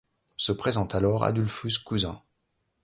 Se présente alors Adolphus Cusins...